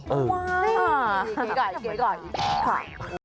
เฮ้ยนี่กี่ไก่นี่กี่ไก่